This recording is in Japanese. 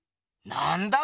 なんだ？